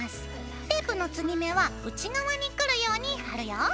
テープの継ぎ目は内側にくるように貼るよ。